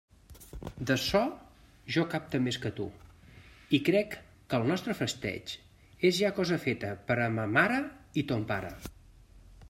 D'açò jo «capte» més que tu, i crec que el nostre festeig és ja cosa feta per a ma mare i ton pare.